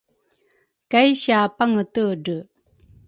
kai sia Pangetedre